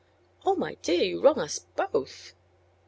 "Oh, my dear! You wrong us both."